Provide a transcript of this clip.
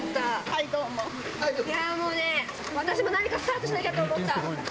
いやぁ、もうね、私も何かスタートしなきゃと思った。